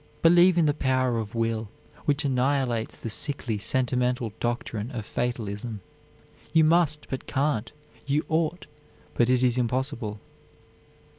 Believe in the power of will, which annihilates the sickly, sentimental doctrine of fatalism, you must, but can't, you ought, but it is impossible.